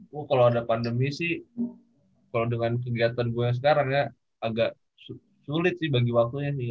oh kalau ada pandemi sih kalau dengan kegiatan gue sekarang ya agak sulit sih bagi waktunya nih